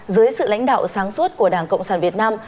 dưới sự lãnh đạo sáng suốt của đảng cộng sản việt nam